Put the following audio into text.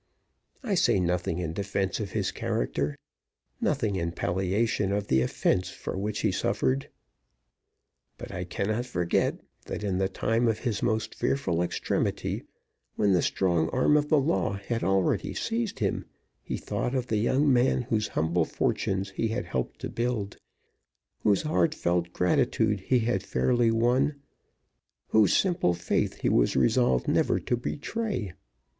I say nothing in defense of his character nothing in palliation of the offense for which he suffered. But I cannot forget that in the time of his most fearful extremity, when the strong arm of the law had already seized him, he thought of the young man whose humble fortunes he had helped to build; whose heartfelt gratitude he had fairly won; whose simple faith he was resolved never to betray.